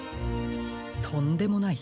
とんでもない。